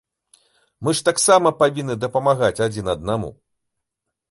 Мы ж таксама павінны дапамагаць адзін аднаму.